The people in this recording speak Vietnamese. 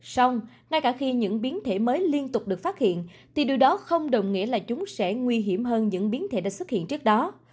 xong ngay cả khi những biến thể mới liên tục được phát hiện thì điều đó không đồng nghĩa là chúng sẽ nguy hiểm hơn những biến thể đã xuất hiện trước đó